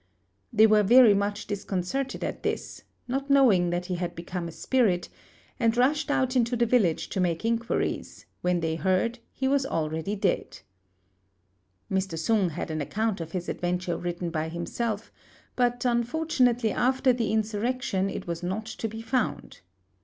They were very much disconcerted at this, not knowing that he had become a spirit, and rushed out into the village to make inquiries, when they heard he was already dead. Mr. Sung had an account of his adventure written by himself; but unfortunately after the insurrection it was not to be found.